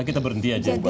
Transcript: kita berhenti saja